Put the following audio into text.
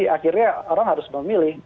akhirnya orang harus memilih